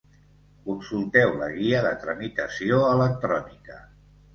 Consulteu la guia de tramitació electrònica.